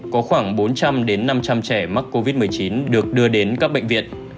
có khoảng bốn trăm linh năm trăm linh trẻ mắc covid một mươi chín được đưa đến các bệnh viện